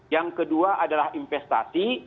yang kedua adalah investasi